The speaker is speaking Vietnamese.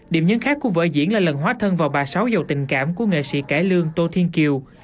điểm nhấn khác của vợ diễn là lần hóa thân vào bà sáu giàu tình cảm của nghệ sĩ cải lương tô thiên kiều